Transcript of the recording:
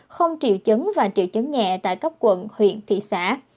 không triệu chứng và triệu chứng nhẹ tại các quận huyện thị xã